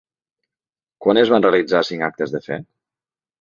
Quan es van realitzar cinc actes de fe?